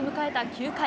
９回。